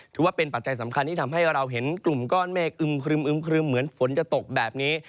ปัจจัยสำคัญที่ทำให้เราเห็นกลุ่มก้อนเมฆอึมครึมครึมเหมือนฝนจะตกแบบนี้